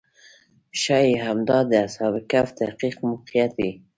ښایي همدا د اصحاب کهف دقیق موقعیت وي.